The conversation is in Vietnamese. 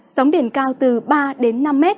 sóng biển cao từ ba năm m